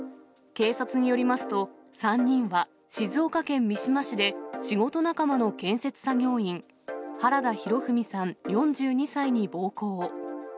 警察によりますと、３人は静岡県三島市で仕事仲間の建設作業員、原田裕史さん４２歳に暴行。